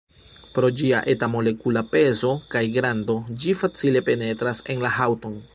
Pro ĝia eta molekula pezo kaj grando, ĝi facile penetras en la haŭton.